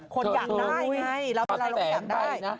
คนอยากได้ไงเราเป็นรายลงกลางได้